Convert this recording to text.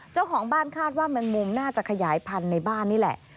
เจ้าของบ้านคาดว่าแมงมุมน่าจะขยายพันธุ์ในบ้านนี่แหละ